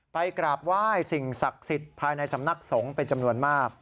กราบไหว้สิ่งศักดิ์สิทธิ์ภายในสำนักสงฆ์เป็นจำนวนมาก